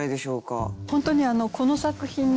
本当にこの作品ね